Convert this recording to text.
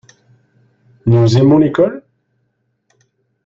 Nous aimons l’école ?